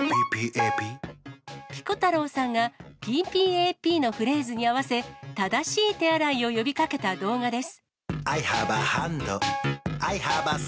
ピコ太郎さんがＰＰＡＰのフレーズに合わせ、正しい手洗いを呼びかけた動画です。